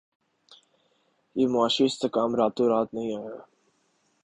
یہ معاشی استحکام راتوں رات نہیں آیا